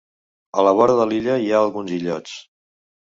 A la vora de l'illa hi ha alguns illots.